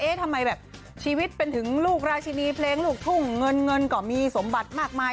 ทำไมแบบชีวิตเป็นถึงลูกราชินีเพลงลูกทุ่งเงินเงินก็มีสมบัติมากมาย